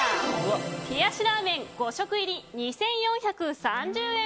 冷しラーメン５食入り２４３０円。